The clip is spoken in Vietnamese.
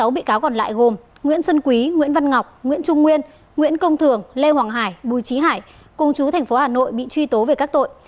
sáu bị cáo còn lại gồm nguyễn xuân quý nguyễn văn ngọc nguyễn trung nguyên nguyễn công thường lê hoàng hải bùi trí hải cùng chú tp hà nội bị truy tố về các tội